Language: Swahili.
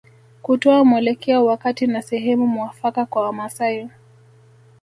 Kutoa mwelekeo wakati na sehemu muafaka kwa Wamaasai